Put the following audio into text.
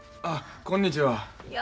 あこんにちは。